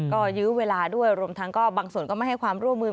ก็ยื้อเวลาด้วยรวมทั้งก็บางส่วนก็ไม่ให้ความร่วมมือ